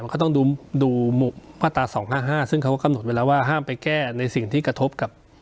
ก็ต้องดูมาตรา๒๕๕ซึ่งเขาก็กำหนดไว้แล้วว่าห้ามไปแก้ในสิ่งที่กระทบกับ